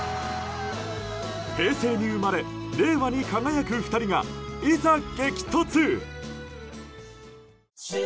平成に生まれ、令和に輝く２人がいざ激突！